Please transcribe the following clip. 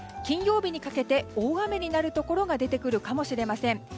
金曜日にかけて大雨になるところが出てくるかもしれません。